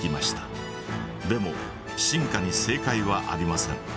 でも進化に正解はありません。